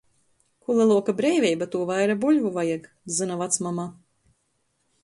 "Kū leluoka breiveiba, tū vaira buļvu vajag," zyna vacmama.